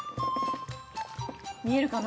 見えるかな？